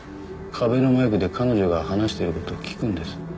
壁のマイクで彼女が話してることを聞くんです